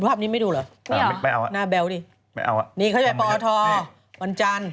ภาพนี้ไม่ดูเหรอหน้าแบวดินี่เขาจะไปปอทวันจันทร์